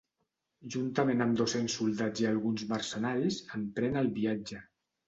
Juntament amb dos-cents soldats i alguns mercenaris, emprèn el viatge.